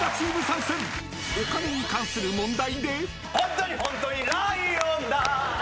［お金に関する問題で］